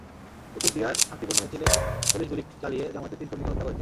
কুতুবদিয়ার শান্তিপূর্ণ মিছিলে পুলিশ গুলি চালিয়ে জামায়াতের তিন কর্মীকে হত্যা করেছে।